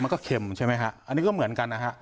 เค็มใช่ไหมฮะอันนี้ก็เหมือนกันนะฮะ